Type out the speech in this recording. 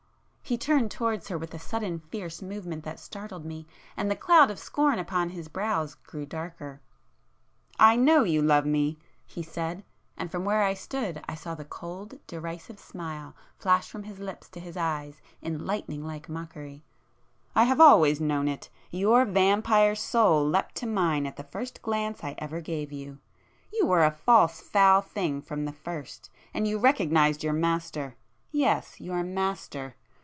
He turned towards her with a sudden fierce movement that [p 361] startled me,—and the cloud of scorn upon his brows grew darker. "I know you love me!" he said, and from where I stood I saw the cold derisive smile flash from his lips to his eyes in lightning like mockery—"I have always known it! Your vampire soul leaped to mine at the first glance I ever gave you,—you were a false foul thing from the first, and you recognized your master! Yes—your Master!"